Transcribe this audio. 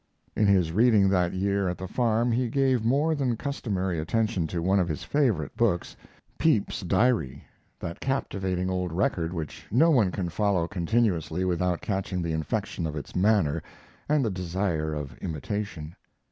In his reading that year at the farm he gave more than customary attention to one of his favorite books, Pepys' Diary, that captivating old record which no one can follow continuously without catching the infection of its manner and the desire of imitation.